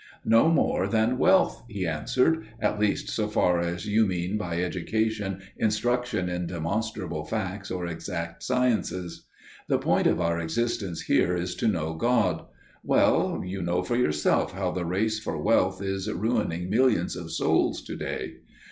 "No more than wealth," he answered, "at least so far as you mean by education instruction in demonstrable facts or exact sciences. The point of our existence here is to know God. Well, you know for yourself how the race for wealth is ruining millions of souls to day.